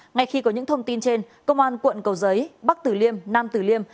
ngay khi có những thông tin trên công an quận cầu giấy bắc tử liêm nam tử liêm